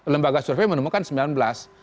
lembaga survei menemukan sembilan belas